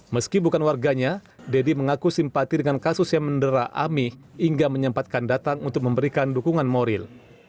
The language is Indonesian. meski bukan warganya deddy mengaku simpati dengan kasus yang mendera amih hingga menyempatkan datang untuk memberikan dukungan moral